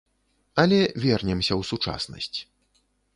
Але вернемся ў сучаснасць.